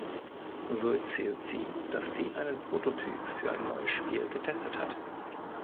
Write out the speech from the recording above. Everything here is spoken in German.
So erzählt sie, dass sie einen Prototyp für ein neues Spiel getestet hat.